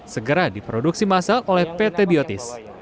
segera diproduksi masal oleh pt biotis